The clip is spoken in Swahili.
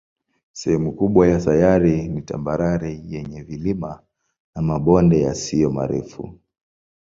Sehemu kubwa ya sayari ni tambarare yenye vilima na mabonde yasiyo marefu.